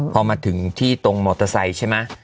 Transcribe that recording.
พอมาถึงที่ตรงมอเตอร์ไซค์ใช่ไหม